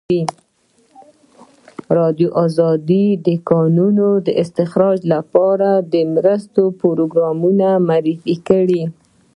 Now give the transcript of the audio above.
ازادي راډیو د د کانونو استخراج لپاره د مرستو پروګرامونه معرفي کړي.